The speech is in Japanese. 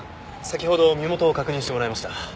先ほど身元を確認してもらいました。